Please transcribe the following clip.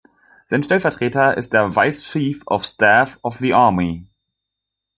Sein Stellvertreter ist der Vice Chief of Staff of the Army.